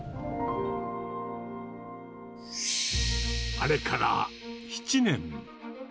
あれから７年。